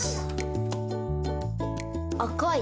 赤い。